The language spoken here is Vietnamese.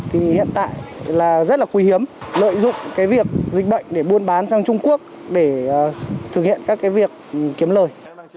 hiện tại rất là quý hiếm lợi dụng việc dịch bệnh để buôn bán sang trung quốc để thực hiện các việc kiếm lời